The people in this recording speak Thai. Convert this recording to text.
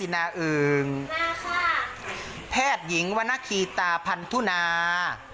มาค่ะแพทยิงวนาคีตาพันธุนา